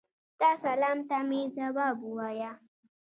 ستا سلام ته مي ځواب ووایه.